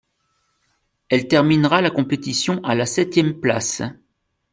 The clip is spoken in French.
Elle terminera la compétition à la septième place.